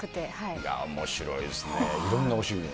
いやー、おもしろいですね。